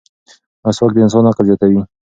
مسواک د انسان عقل زیاتوي.